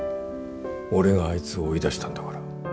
俺があいつを追い出したんだから。